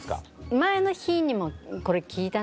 前の日にもこれ聞いたな。